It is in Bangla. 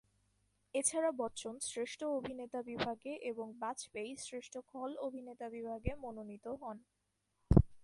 এছাড়া বচ্চন শ্রেষ্ঠ অভিনেতা বিভাগে এবং বাজপেয়ী শ্রেষ্ঠ খল অভিনেতা বিভাগে মনোনীত হন।